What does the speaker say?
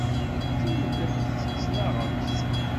Kemmlemt ttnaɣemt.